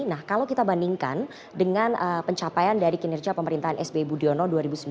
nah kalau kita bandingkan dengan pencapaian dari kinerja pemerintahan sbi budiono dua ribu sembilan dua ribu empat belas